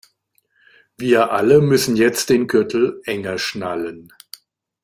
Wir alle müssen jetzt den Gürtel enger schnallen.